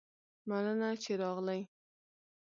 مننه چې راغلي